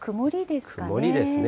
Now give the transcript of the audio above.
曇りですね。